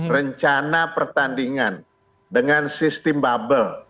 rencana pertandingan dengan sistem bubble